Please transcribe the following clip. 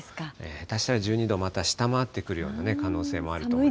下手したら１２度をまた下回ってくる可能性もあると。